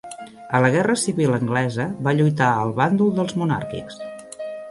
A la Guerra Civil anglesa va lluitar al bàndol dels monàrquics.